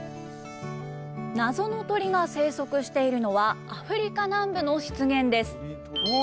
ナゾの鳥が生息しているのはアフリカ南部の湿原です。